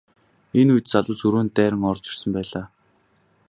Энэ үед залуус өрөөнд дайран орж ирсэн байлаа.